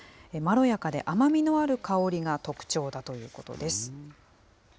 まろやかで甘みのある香りが特徴だということです。